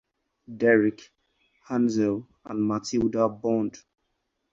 Derek, Hansel, and Matilda bond.